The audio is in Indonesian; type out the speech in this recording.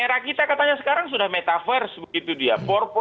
era kita katanya sekarang sudah metaverse begitu dia empat